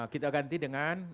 kita ganti dengan